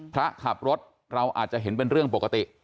พระขับรถเราอาจจะเห็นเป็นเรื่องปกติ